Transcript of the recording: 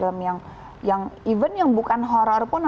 teman temannya sudah macam di populis